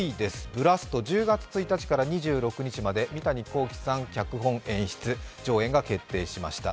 「ブラスト」、１０月１日から２６日まで三谷幸喜さんが脚本・演出、上演が決定しました。